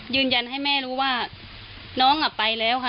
ยืนยันให้แม่รู้ว่าน้องอ่ะไปแล้วค่ะ